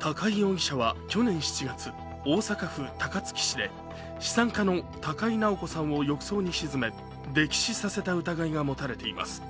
高井容疑者は去年７月大阪府高槻市で資産家の高井直子さんを浴槽に沈め溺死させた疑いが持たれています。